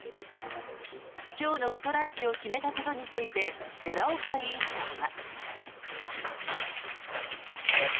今日のストライキを決めたことについて寺岡委員長は。